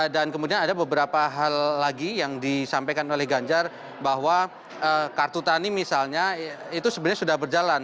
dan kemudian ada beberapa hal lagi yang disampaikan oleh ganjar bahwa kartu tani misalnya itu sebenarnya sudah berjalan